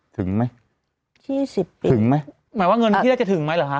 ถึงไหมถึงไหมหมายว่าเงินที่ได้จะถึงไหมเหรอฮะ้า